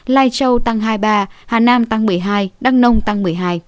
lai châu tăng hai mươi ba hà nam tăng một mươi hai đăng nông tăng một mươi hai